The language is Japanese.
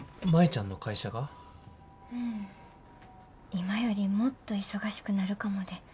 今よりもっと忙しくなるかもで。